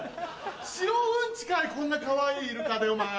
「白うんち」かいこんなかわいいイルカでお前。